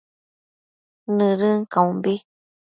Nëdën caumbi